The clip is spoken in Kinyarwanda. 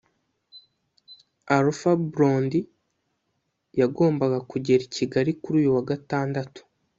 Alpha Blondy yagombaga kugera i Kigali kuri uyu wa Gatandatu